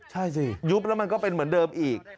ใช่สิยุบแล้วมันก็เป็นเหมือนเดิมอีก